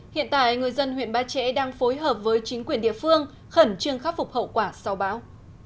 hiện tại người dân huyện ba trẻ đang phối hợp với chính quyền địa phương khẩn trương khắc phục hậu quả sau bão